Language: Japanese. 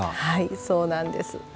はいそうなんです。